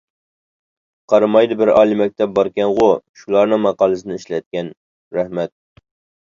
قارىمايدا بىر ئالىي مەكتەپ باركەنغۇ، شۇلارنىڭ ماقالىسىنى ئىشلەتكەن. رەھمەت!